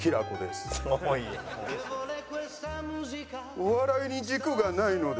お笑いに軸がないので。